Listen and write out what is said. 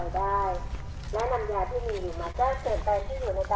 สวัสดีครับ